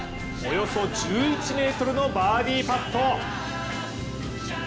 およそ１１ｍのバーディーパット。